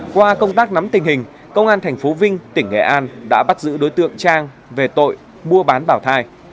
qua công tác nắm tình hình công an tp vinh tỉnh nghệ an đã bắt giữ đối tượng trang về tội mua bán bảo thai